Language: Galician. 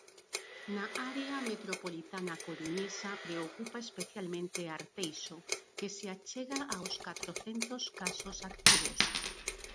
Na área metropolitana coruñesa preocupa especialmente Arteixo, que se achega aos catrocentos casos activos.